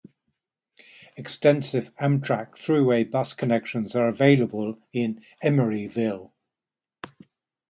Extensive Amtrak Thruway bus connections are available in Emeryville.